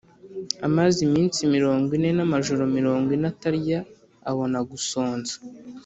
amaze iminsi mirongo ine n’amajoro mirongo ine atarya, abona gusonza